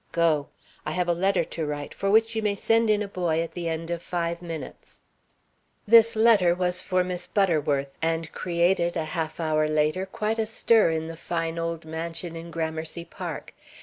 Go! I have a letter to write, for which you may send in a boy at the end of five minutes." This letter was for Miss Butterworth, and created, a half hour later, quite a stir in the fine old mansion in Gramercy Park.